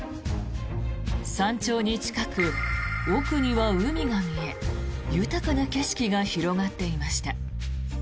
山頂に近く、奥には海が見え豊かな景色が広がっていました。